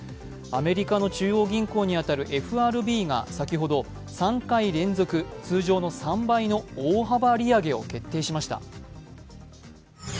アメリカの中央銀行に当たるＦＲＢが先ほど３回連続、通常の３倍の大幅利上げを決定しました。